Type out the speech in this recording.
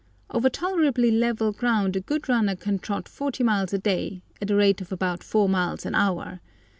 Over tolerably level ground a good runner can trot forty miles a day, at a rate of about four miles an hour.